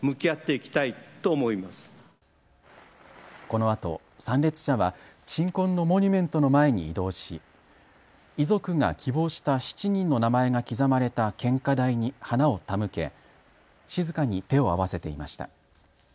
このあと参列者は鎮魂のモニュメントの前に移動し遺族が希望した７人の名前が刻まれた献花台に花を手向け静かに手を合わせていました。